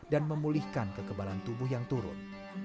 dan memulihkan kekebalan tubuh yang turun